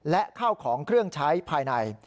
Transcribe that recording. และข้าวของเครื่องใช้ภายใน